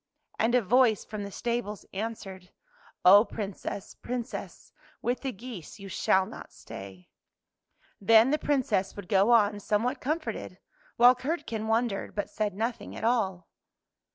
" And a voice from the stables answered, " Oh, Princess, Princess, with the geese you shall not stay." Then the Princess would go on somewhat comforted, while Curdken wondered, but said nothing at all.